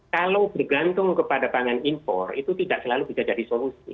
kalau bergantung kepada pangan impor itu tidak selalu bisa jadi solusi